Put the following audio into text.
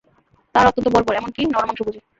তাহারা অত্যন্ত বর্বর, এমন কি নরমাংসভোজী।